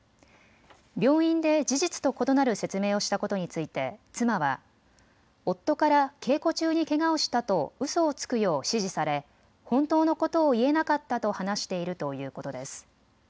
病院で事実と異なる説明をしたことについて妻は夫から稽古中にけがをしたとうそをつくよう指示され本当のことを言えなかったと話しているということです。